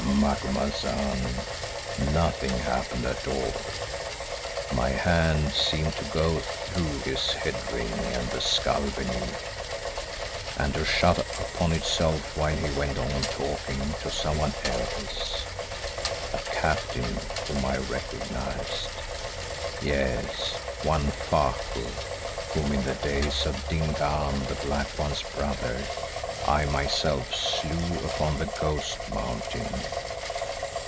"Macumazahn, nothing happened at all. My hand seemed to go through his head ring and the skull beneath, and to shut upon itself while he went on talking to someone else, a captain whom I recognised, yes, one Faku, whom in the days of Dingaan, the Black One's brother, I myself slew upon the Ghost Mountain.